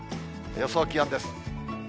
予想気温です。